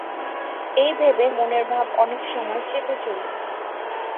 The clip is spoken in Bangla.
এই ভেবে মনের ভাব অনেক সময় চেপে চলি।